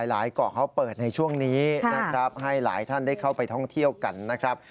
เกาะเขาเปิดในช่วงนี้นะครับให้หลายท่านได้เข้าไปท่องเที่ยวกันนะครับ